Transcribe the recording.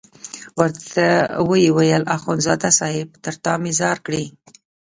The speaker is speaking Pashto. ورته ویې ویل اخندزاده صاحب تر تا مې ځار کړې.